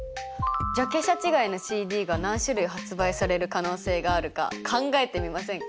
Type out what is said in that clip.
ジャケ写違いのＣＤが何種類発売される可能性があるか考えてみませんか？